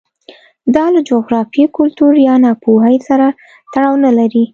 دا له جغرافیې، کلتور یا ناپوهۍ سره تړاو نه لري